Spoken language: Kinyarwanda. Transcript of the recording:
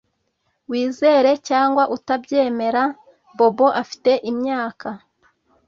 Wizere cyangwa utabyemera Bobo afite imyaka